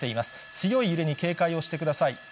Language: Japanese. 強い揺れに警戒してください。